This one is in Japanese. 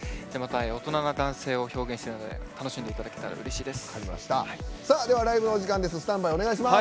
大人な男性を表現した曲なので楽しんでいただけたらうれしいです。